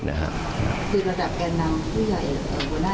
คือประจับแก่นของผู้ใหญ่แห่งหัวหน้าดิคารัติฐิต